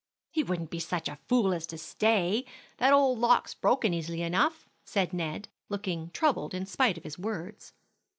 "He wouldn't be such a fool as to stay; that old lock's broken easy enough," said Ned, looking troubled, in spite of his words.